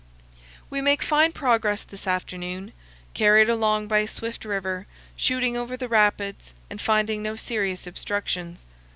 We make fine progress this afternoon, carried along by a swift river, shooting over the rapids and finding no serious obstructions.